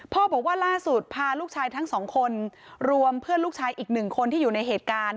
บอกว่าล่าสุดพาลูกชายทั้งสองคนรวมเพื่อนลูกชายอีกหนึ่งคนที่อยู่ในเหตุการณ์